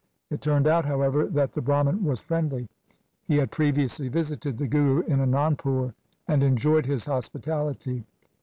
It turned out, however, that the Brahman was friendly. He had previously visited the Guru in Anandpur and enjoyed his hospitality.